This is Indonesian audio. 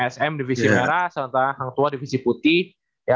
sm divisi merah sama hang tuah divisi putih